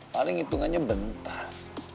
paling hitungannya bentar